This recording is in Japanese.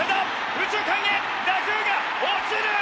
右中間へ打球が落ちる！